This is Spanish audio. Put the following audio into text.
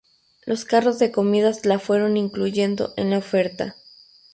Los carros de comidas la fueron incluyendo en la oferta.